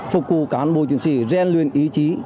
phục vụ cán bộ chiến sĩ gian luyện ý chí